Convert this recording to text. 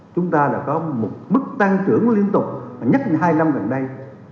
chúng ta đã có một mức tăng trưởng liên tục nhất hai năm gần đây